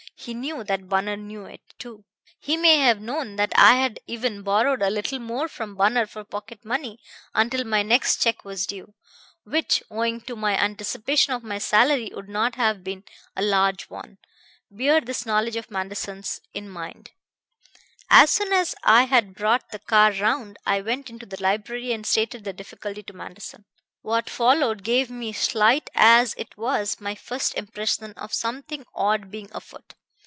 He knew that Bunner knew it, too. He may have known that I had even borrowed a little more from Bunner for pocket money until my next check was due, which, owing to my anticipation of my salary, would not have been a large one. Bear this knowledge of Manderson's in mind. "As soon as I had brought the car round I went into the library and stated the difficulty to Manderson. "What followed gave me, slight as it was, my first impression of something odd being afoot.